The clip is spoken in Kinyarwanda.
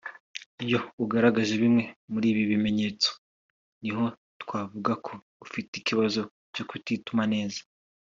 Iyo ugaragaje bimwe muri ibi bimenyetso niho twavuga ko ufite ikibazo cyo kutituma neza